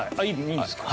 いいんですか？